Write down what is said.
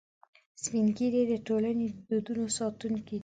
سپین ږیری د ټولنې د دودونو ساتونکي دي